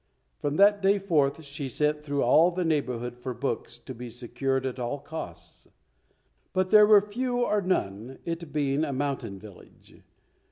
From that day forth she sent through all the neighbourhood for books, to be secured at all costs; but there were few or none, it being a mountain village.